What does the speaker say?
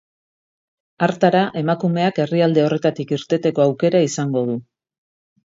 Hartara emakumeak herrialde horretatik irteteko aukera izango du.